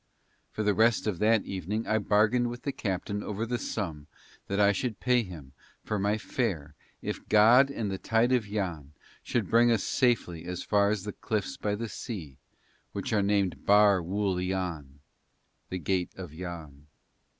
For the rest of that evening I bargained with the captain over the sum that I should pay him for my fare if God and the tide of Yann should bring us safely as far as the cliffs by the sea, which are named Bar Wul Yann, the Gate of Yann.